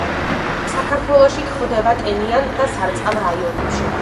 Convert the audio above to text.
საქართველოში გვხვდება ტენიან და სარწყავ რაიონებში.